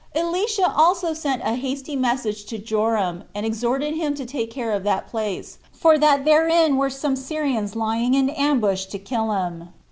3. Elisha also sent a hasty message to Joram, 8 and exhorted him to take care of that place, for that therein were some Syrians lying in ambush to kill him.